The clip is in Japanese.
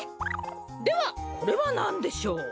ではこれはなんでしょう？